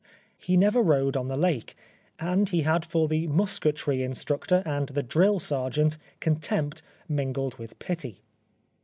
He never rowed on the lake ; and he had for the musketry instructor and the drill sergeant contempt mingled with pity.